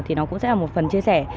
thì nó cũng sẽ là một phần chia sẻ